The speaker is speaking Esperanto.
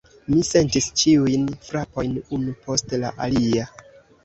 Mi sentis ĉiujn frapojn, unu post la alia.